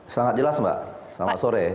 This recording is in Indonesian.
sangat jelas mbak selamat sore